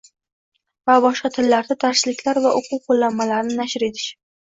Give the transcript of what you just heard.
va boshqa tillarda darsliklar va o`quv qo`llanmalarini nashr etish